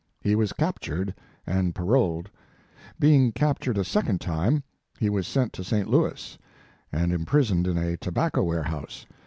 He was captured and paroled. Being captured a second time, he was sent to St. I,ouis, and imprisoned in a tobacco warehouse.